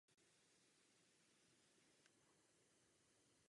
Proč nebylo řečeno nic o daňových rájích?